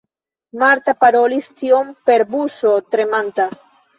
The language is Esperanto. Marta parolis tion per buŝo tremanta.